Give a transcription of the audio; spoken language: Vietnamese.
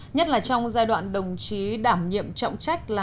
nhất là trong giai đoạn đồng chí đảm nhiệm trọng trách làm nhân dân